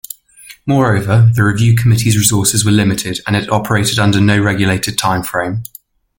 Moreover, the review committee's resources were limited, and it operated under no regulated time-frame.